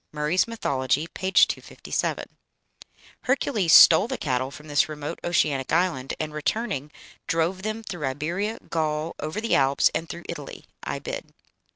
(Murray's "Mythology," p. 257.) Hercules stole the cattle from this remote oceanic island, and, returning drove them "through Iberia, Gaul, over the Alps, and through Italy." (Ibid.)